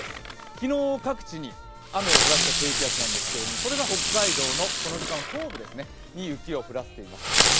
昨日、各地に雨を降らせた低気圧なんですけどそれが北海道のこの時間、東部に雪を降らせています。